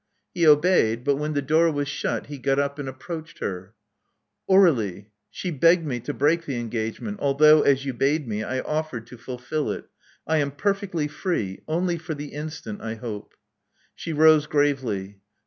He obeyed; but when the door was shut, he got up and approached her. Aur61ie: she begged me to break the engagement, although, as you bade me, I offered to fulfil it. I am perfectly free — only for the instant, I hope." She rose gravely.